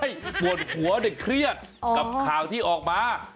ไม่ปวดหัวเด็กเครียดกับข่าวที่ออกมา